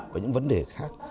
và những vấn đề khác